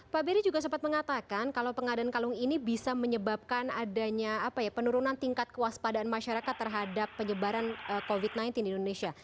pak beri juga sempat mengatakan kalau pengadaan kalung ini bisa menyebabkan adanya penurunan tingkat kewaspadaan masyarakat terhadap penyebaran covid sembilan belas di indonesia